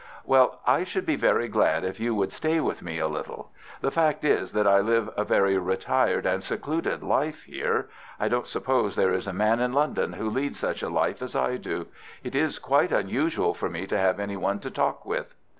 "Well, I should be very glad if you would stay with me a little. The fact is that I live a very retired and secluded life here. I don't suppose there is a man in London who leads such a life as I do. It is quite unusual for me to have any one to talk with."